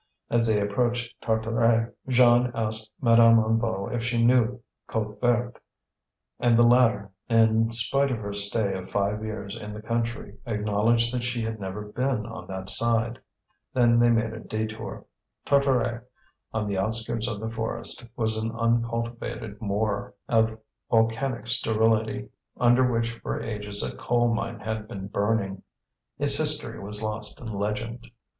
As they approached Tartaret, Jeanne asked Madame Hennebeau if she knew Côte Verte, and the latter, in spite of her stay of five years in the country, acknowledged that she had never been on that side. Then they made a detour. Tartaret, on the outskirts of the forest, was an uncultivated moor, of volcanic sterility, under which for ages a coal mine had been burning. Its history was lost in legend.